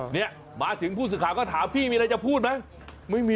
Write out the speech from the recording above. นี่มาถึงผู้สื่อข่าวก็ถามพี่มีอะไรจะพูดไหม